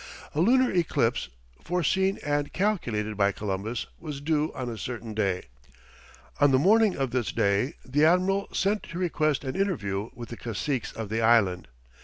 A lunar eclipse, foreseen and calculated by Columbus, was due on a certain day. On the morning of this day, the admiral sent to request an interview with the caciques of the island.